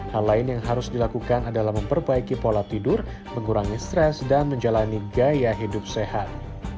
hal lain yang harus dilakukan adalah memperbaiki pola tidur mengurangi stres dan menjalani gaya hidup sehat